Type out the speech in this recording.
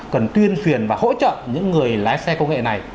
cần tuyên truyền và hỗ trợ những người lái xe công nghệ này